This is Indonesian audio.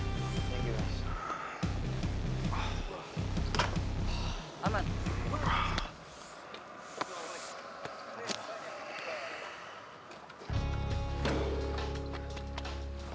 laksa jatuh pak